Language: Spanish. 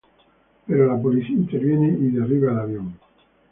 Pero la policía interviene y derriba el avión.